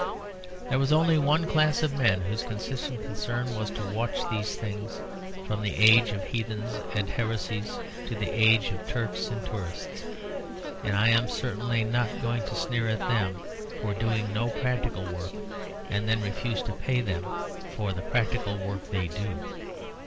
There was only one class of men whose consistent concern was to watch these things, from the age of heathens and heresies to the age of Turks and tourists; and I am certainly not going to sneer at them for doing no practical work, and then refuse to pay them for the practical work they do.